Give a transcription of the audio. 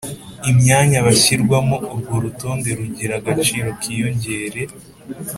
imyanya bashyirwamo urwo rutonde rugira agaciro kiyongere